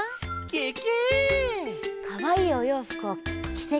ケケ！